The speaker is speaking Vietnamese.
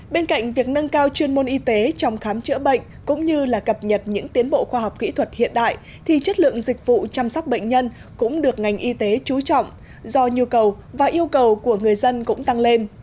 bên cạnh việc nâng cao chuyên môn y tế trong khám chữa bệnh cũng như là cập nhật những tiến bộ khoa học kỹ thuật hiện đại thì chất lượng dịch vụ chăm sóc bệnh nhân cũng được ngành y tế trú trọng do nhu cầu và yêu cầu của người dân cũng tăng lên